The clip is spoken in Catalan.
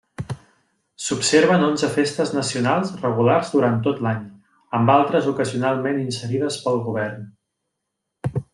S'observen onze festes nacionals regulars durant tot l'any, amb altres ocasionalment inserides pel govern.